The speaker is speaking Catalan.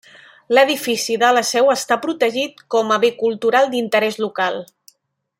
L'edifici de la seu està protegit com a bé cultural d'interès local.